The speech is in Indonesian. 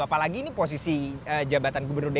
apalagi ini posisi jabatan gubernur dki